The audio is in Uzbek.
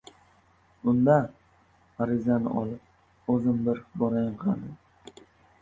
— Unda, arizani olib, o‘zim bir borayin qani.